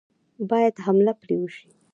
باید حمله پرې وشي.